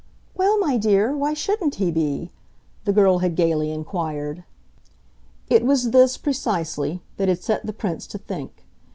"Well, my dear, why shouldn't he be?" the girl had gaily inquired. It was this, precisely, that had set the Prince to think.